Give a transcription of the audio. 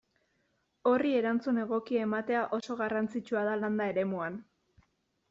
Horri erantzun egokia ematea oso garrantzitsua da landa eremuan.